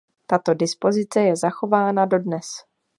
Tato dispozice je zachována dodnes.